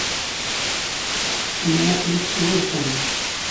Nemmuqqel-itt s wurfan.